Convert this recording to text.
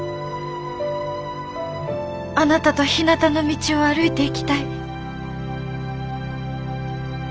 あなたとひなたの道を歩いていきたい。